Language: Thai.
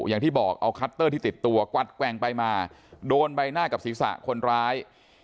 อย่างที่บอกเอาคัตเตอร์ที่ติดตัวกวัดแกว่งไปมาโดนใบหน้ากับศีรษะคนร้าย